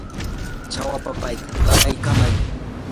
chawa papaykita qaraykamay.